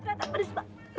ternyata pedas pak